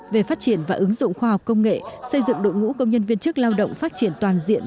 về phát triển và ứng dụng khoa học công nghệ xây dựng đội ngũ công nhân viên chức lao động phát triển toàn diện